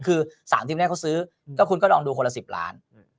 คือ๓ทีมแรกเขาซื้อก็คุณก็ลองดูคนละ๑๐ล้าน